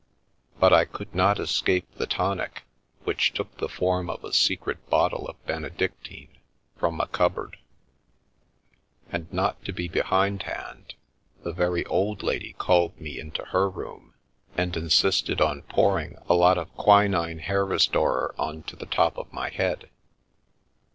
But I could not escape the tonic — which took the form of a secret bottle of Benedictine from a cup lx>ard; and, not to be behindhand, the very old lady called me into her room, and insisted on pouring a lot of quinine hair restorer on to the top of my head.